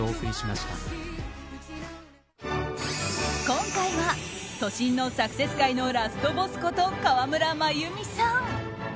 今回は都心のサクセス界のラストボスこと、河村真弓さん。